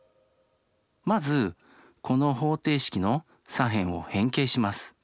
まずこの方程式の左辺を変形します。